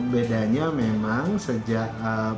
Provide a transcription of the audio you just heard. bedanya memang sejak kementerian pertahanan